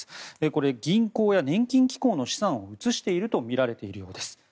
これ、銀行や年金機構の資産を移していると見られているようです。